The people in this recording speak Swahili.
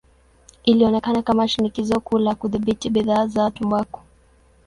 Ilionekana kama shinikizo kuu la kudhibiti bidhaa za tumbaku.